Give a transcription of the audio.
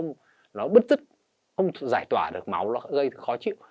nó bất tức không giải tỏa được máu nó gây khó chịu